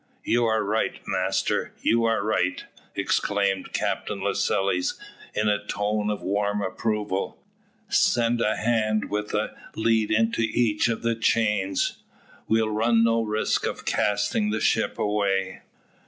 "You are right, master, you are right!" exclaimed Captain Lascelles, in a tone of warm approval. "Send a hand with the lead into each of the chains. We'll run no risk of casting the ship away."